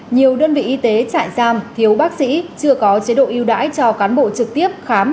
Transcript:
nhiều đơn vị y tế trại giam thiếu bác sĩ chưa có chế độ ưu đãi cho cán bộ trực tiếp khám